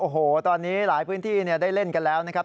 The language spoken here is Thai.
โอ้โหตอนนี้หลายพื้นที่ได้เล่นกันแล้วนะครับ